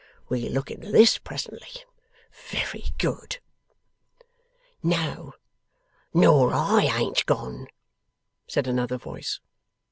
We'll look into this presently. Very good!' 'No, nor I ain't gone,' said another voice.